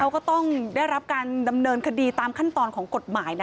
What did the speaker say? ก็ต้องได้รับการดำเนินคดีตามขั้นตอนของกฎหมายนะ